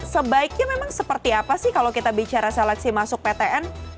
sebaiknya memang seperti apa sih kalau kita bicara seleksi masuk ptn